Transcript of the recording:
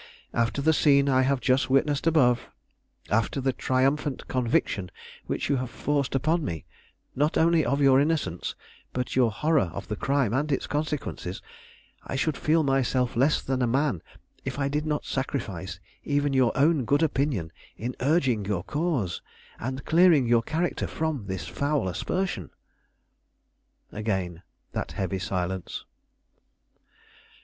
After the scene I have just witnessed above; after the triumphant conviction which you have forced upon me, not only of your innocence, but your horror of the crime and its consequences, I should feel myself less than a man if I did not sacrifice even your own good opinion, in urging your cause, and clearing your character from this foul aspersion." Again that heavy silence.